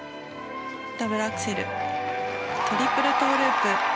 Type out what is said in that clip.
ダブルアクセルトリプルトウループ。